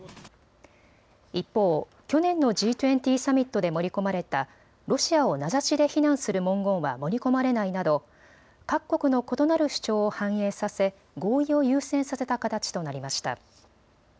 一方、去年のＧ２０サミットで盛り込まれたロシアを名指しで非難する文言は盛り込まれないなど各国の異なる主張を反映させ合意を優先させた形となりました。